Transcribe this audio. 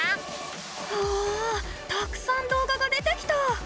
うわたくさん動画が出てきた！